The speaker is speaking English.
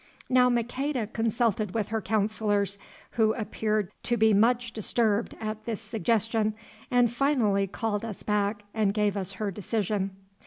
Now Maqueda consulted with her councillors, who appeared to be much disturbed at this suggestion, and finally called us back and gave us her decision.